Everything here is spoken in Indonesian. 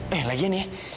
eh lagian ya